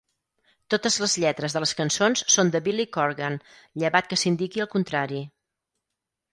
Totes les lletres de les cançons són de Billy Corgan, llevat que s'indiqui el contrari.